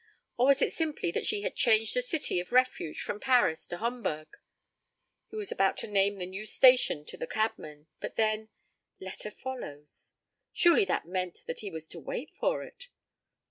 Or was it simply that she had changed the city of refuge from Paris to Homburg? He was about to name the new station to the cabman, but then, 'letter follows'. Surely that meant that he was to wait for it.